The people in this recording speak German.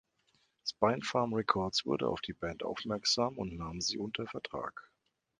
Spinefarm Records wurde auf die Band aufmerksam und nahm sie unter Vertrag.